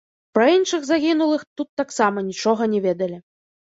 Пра іншых загінулых тут таксама нічога не ведалі.